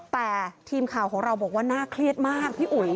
แต่ทีมข่าวของเราบอกว่าน่าเครียดมากพี่อุ๋ย